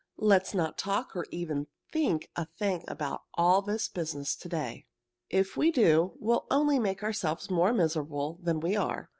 Let's not talk or even think a thing about all this business to day. If we do, we'll only make ourselves more miserable than we are.